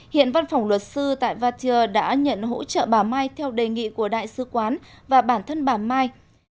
hiện văn phòng luật sư tại vatier đã nhận hỗ trợ bà mai theo đề nghị của đại sứ quán và bản thân bà mai